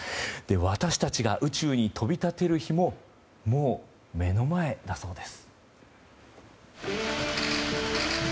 私たちが宇宙に飛び立てる日ももう目の前だそうです。